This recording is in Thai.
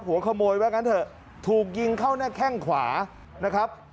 หัวขโมยว่างั้นเถอะถูกยิงเข้าหน้าแข้งขวานะครับ